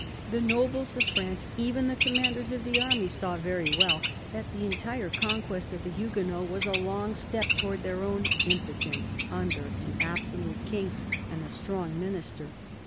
The nobles of France, even the com manders of the army, saw very well that the entire con quest of the Huguenots was a long step towards their own impotence under an absolute King and a strong Minister.